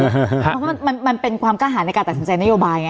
เพราะว่ามันเป็นความกล้าหารในการตัดสินใจนโยบายไง